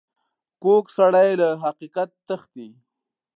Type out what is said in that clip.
کوږ سړی له حقیقت تښتي